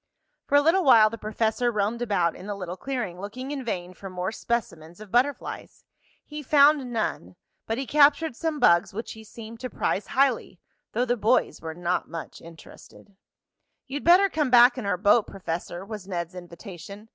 For a little while the professor roamed about in the little clearing, looking in vain for more specimens of butterflies. He found none, but he captured some bugs which he seemed to prize highly, though the boys were not much interested. "You'd better come back in our boat, Professor," was Ned's invitation.